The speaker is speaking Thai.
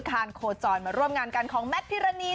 คานโคจรมาร่วมงานกันของแมทพิรณี